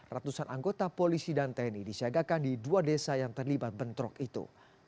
ratusan anggota polisi dan tni disiagakan di dua desa yang terlibat bentrok itu